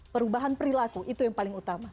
perubahan perilaku itu yang paling utama